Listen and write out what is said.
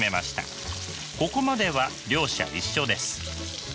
ここまでは両者一緒です。